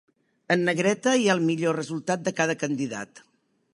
En negreta hi ha el millor resultat de cada candidat.